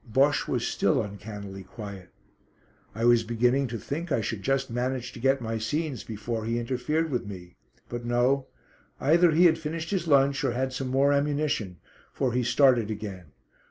Bosche was still uncannily quiet. I was beginning to think I should just manage to get my scenes before he interfered with me. But no! Either he had finished his lunch or had some more ammunition, for he started again.